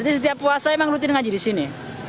jadi setiap puasa emang rutin ngaji di sini